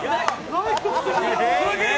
すげえ！